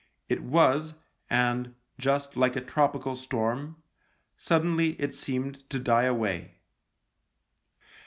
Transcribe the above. It was, and, just like a tropical storm, suddenly it seemed to die away.